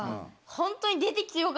ホントに。